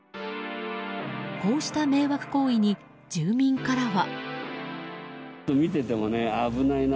こうした迷惑行為に住民からは。